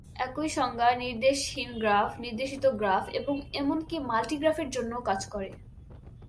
একই সংজ্ঞা নির্দেশহীন গ্রাফ, নির্দেশিত গ্রাফ, এবং এমনকি মাল্টিগ্রাফের জন্যও কাজ করে।